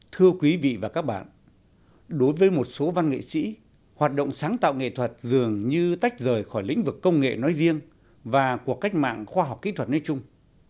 thưa quý vị và các bạn đối với một số văn nghệ sĩ hoạt động sáng tạo nghệ thuật dường như tách rời khỏi lĩnh vực công nghệ nói riêng và cuộc cách mạng khoa học kỹ thuật nói chung